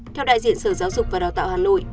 theo đại diện sở giáo dục và đào tạo hà nội